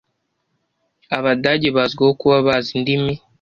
Abadage bazwiho kuba bazi indimi.